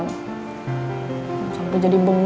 jangan sampai jadi bengong